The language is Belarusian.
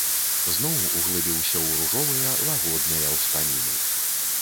Зноў углыбіўся ў ружовыя, лагодныя ўспаміны.